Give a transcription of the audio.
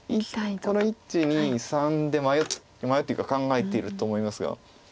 この１２３で迷ってるというか考えていると思いますが。